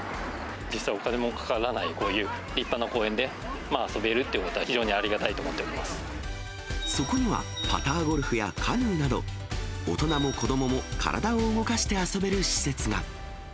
実際、お金もかからない、こういう立派な公園で遊べるっていうことは、非常にありがたいとそこには、パターゴルフやカヌーなど、大人も子どもも体を動かして遊べる施設が。